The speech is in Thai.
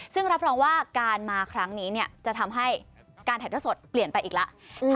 ซึ่งรับรองว่าการมาครั้งนี้จะทำให้การถ่ายทอดสดเปลี่ยนไปอีกแล้ว